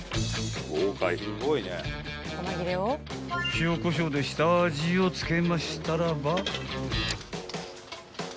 ［塩こしょうで下味を付けましたらば］